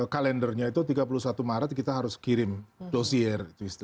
kalendernya itu tiga puluh satu maret kita harus kirim dosier